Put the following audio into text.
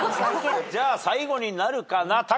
じゃあ最後になるかな？